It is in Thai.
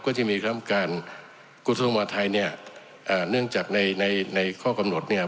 ก็จะมีความการกุฏมวัทย์ไทยเนี่ยเนื่องจากในข้อกำหนดเนี่ย